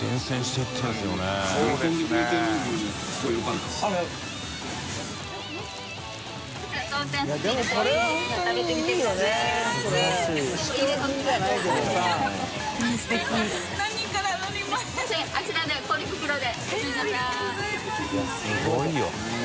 いすごいよ。